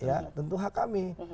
ya tentu hak kami